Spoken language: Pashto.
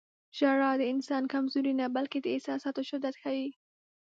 • ژړا د انسان کمزوري نه، بلکې د احساساتو شدت ښيي.